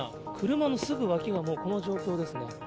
車のすぐわきがもうこの状況ですね。